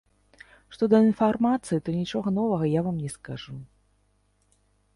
Што да інфармацыі, то нічога новага я вам не скажу.